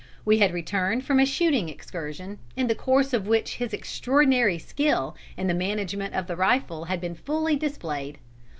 We had returned from a shooting excursion, in the course of which his extraordinary skill in the management of the rifle had been fully displayed.